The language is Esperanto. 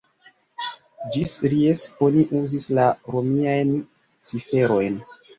Ĝis Ries oni uzis la romiajn ciferojn.